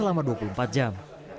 selama dua puluh empat jam